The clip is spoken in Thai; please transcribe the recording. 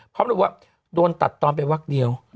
เขามีความรู้ว่าโดนตัดตอบไปวักเดียว